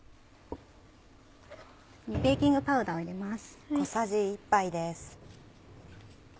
ベーキングパウダーを入れます。